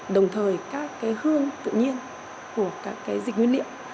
đồng thời các hương tự nhiên của các dịch nguyên liệu